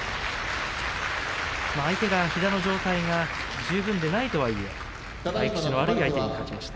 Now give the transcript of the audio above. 相手が膝の状態が十分ではないとはいえ合い口の悪い相手に勝ちました。